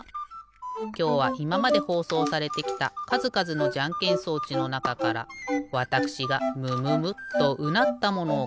きょうはいままでほうそうされてきたかずかずのじゃんけん装置のなかからわたくしがムムムッとうなったものをごしょうかい。